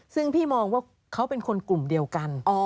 ซึ่งพี่มองว่าเขาเป็นคนกลุ่มเดียวกัน